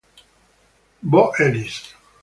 Boo Ellis